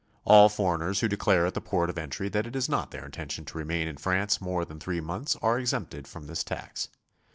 All foreigners who declare at the port of entry that it is not their intention to remain in France more than three months are exempted from this tax.